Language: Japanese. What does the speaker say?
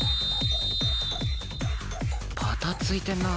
ばたついてんな